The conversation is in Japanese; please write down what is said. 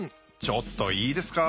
ちょっといいですか？